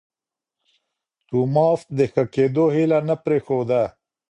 توماس د ښه کېدو هیله نه پرېښوده.